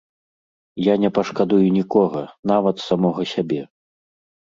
Я не пашкадую нікога, нават самога сябе!